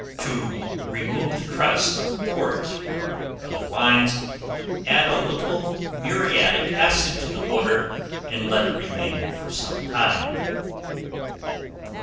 To remove the crust of port or other wines, add a little muriatic acid to the water, and let it remain for some time.